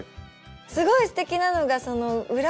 すごいすてきなのが裏。